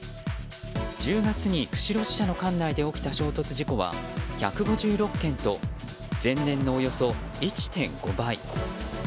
１０月に釧路支社の管内で起きた衝突事故は１５６件と前年のおよそ１．５倍。